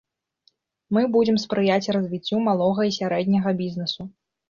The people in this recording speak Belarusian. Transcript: Мы будзем спрыяць развіццю малога і сярэдняга бізнэсу.